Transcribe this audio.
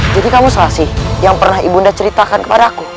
jadi kamu selasi yang pernah ibu anda ceritakan kepada aku